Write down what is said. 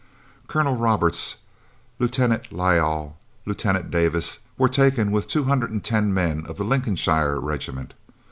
Colonel Roberts, Lieutenant Lyall, and Lieutenant Davis were taken with 210 men of the Lincolnshire Regiment.